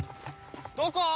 どこ？